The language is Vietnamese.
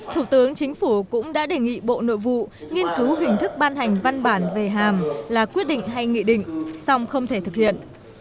thủ tướng chính phủ cũng đã đề nghị bộ nội vụ nghiên cứu hình thức ban hành văn bản về hàm là quyết định hay nghị định xong không thể thực hiện